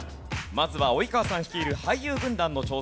まずは及川さん率いる俳優軍団の挑戦。